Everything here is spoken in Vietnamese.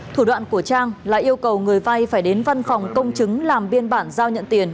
thủ đoạn của trang là yêu cầu người vay phải đến văn phòng công chứng làm biên bản giao nhận tiền